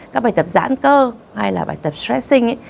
các bài tập giãn cơ hay là bài tập stressing ấy